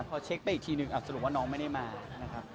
พอเช็คไปอีกทีหนึ่งสรุปว่าน้องไม่ได้มานะครับ